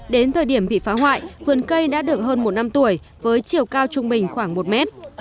đến thời điểm bị phá hoại vườn cây đã được hơn một năm tuổi với chiều cao trung bình khoảng một mét